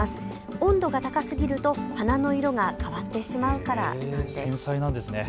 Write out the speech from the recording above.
温度が高すぎると花の色が変わってしまうからなんです。